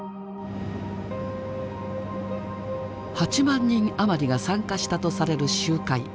８万人余りが参加したとされる集会。